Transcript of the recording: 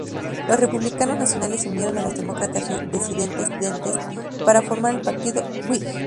Los republicanos nacionales, se unieron a los demócratas disidentes, para formar el partido Whig.